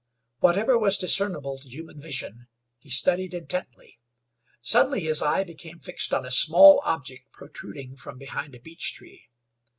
Whatever was discernible to human vision he studied intently. Suddenly his eye became fixed on a small object protruding from behind a beech tree.